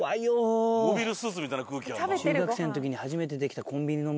モビルスーツみたいな空気あるな。